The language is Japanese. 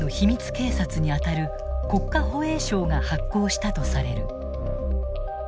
警察にあたる国家保衛省が発行したとされる。